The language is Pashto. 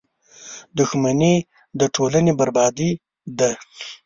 • دښمني د ټولنې بربادي ده.